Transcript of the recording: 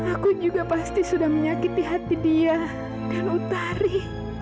aku juga pasti sudah menyakiti hati dia dan utari